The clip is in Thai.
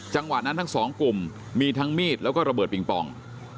จังหวะนั้นทั้งสองกลุ่มมีทั้งมีดแล้วก็ระเบิดปิงปอง